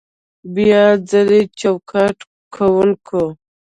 بیا ځلې چوکاټ کوونه